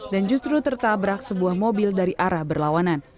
dan justru tertabrak sebuah mobil dari arah berlawanan